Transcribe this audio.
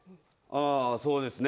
あそうですね。